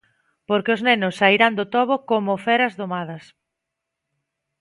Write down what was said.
Porque os nenos sairán do tobo como feras domadas.